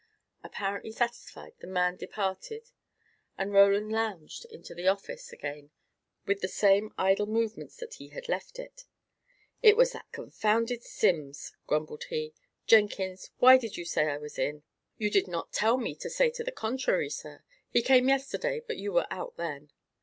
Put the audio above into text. Apparently satisfied, the man departed, and Roland lounged into the office again with the same idle movements that he had left it. "It was that confounded Simms," grumbled he. "Jenkins, why did you say I was in?" "You did not tell me to say the contrary, sir. He came yesterday, but you were out then."